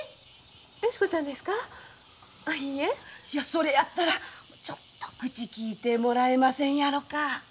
それやったらちょっと口利いてもらえませんやろか。